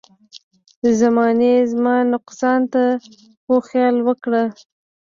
زمانې زما نقصان ته خو خیال وکړه.